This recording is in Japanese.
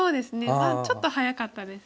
まだちょっと早かったですね。